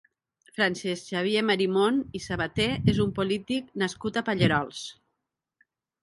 Francesc Xavier Marimon i Sabaté és un polític nascut a Pallerols.